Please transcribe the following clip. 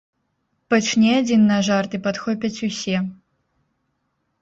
Пачне адзін на жарт, і падхопяць усе.